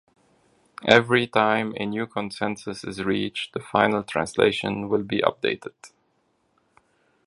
every time a new consensus is reached, the final translation will be updated.